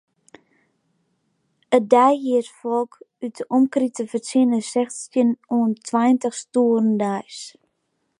It deihiersfolk út 'e omkriten fertsjinne sechstjin oant tweintich stoeren deis.